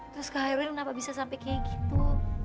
terus kak hairudin kenapa bisa sampai kayak gitu